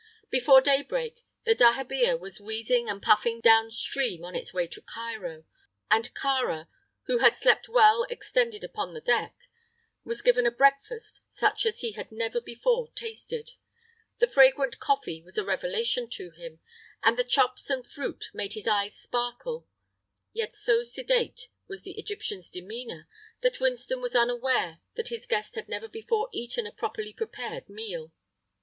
Before daybreak the dahabeah was wheezing and puffing down stream on its way to Cairo, and Kāra, who had slept well extended upon the deck, was given a breakfast such as he had never before tasted. The fragrant coffee was a revelation to him, and the chops and fruit made his eyes sparkle; yet so sedate was the Egyptian's demeanor that Winston was unaware that his guest had never before eaten a properly prepared meal.